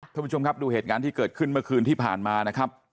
ท่านผู้ชมครับดูเหตุการณ์ที่เกิดขึ้นเมื่อคืนที่ผ่านมานะครับ